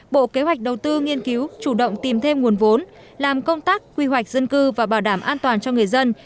bộ kế hoạch đầu tư nghiên cứu chủ động tìm thêm nguồn vốn làm công tác quy hoạch dân cư và bảo đảm an toàn cho người dân